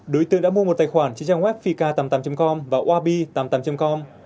đối tượng đã mua một tài khoản trên trang web fik tám mươi tám com và wabi tám mươi tám com